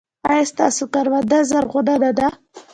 ایا ستاسو کرونده زرغونه نه ده؟